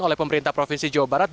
oleh pemerintah provinsi jawa barat